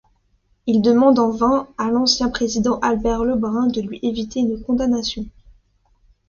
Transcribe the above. Il demande en vain à l'ancien président Albert Lebrun de lui éviter une condamnation.